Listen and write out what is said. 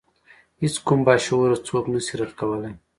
هیڅ کوم باشعوره څوک نشي رد کولای.